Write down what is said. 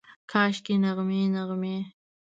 کاشکي، نغمې، نغمې